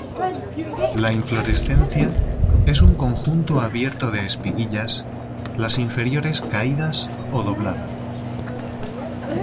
La inflorescencia es un conjunto abierto de espiguillas, las inferiores caídas o doblada.